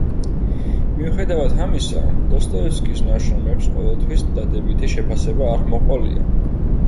მიუხედავად ამისა, დოსტოევსკის ნაშრომებს ყოველთვის დადებითი შეფასება არ მოჰყოლია.